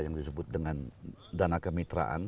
yang disebut dengan dana kemitraan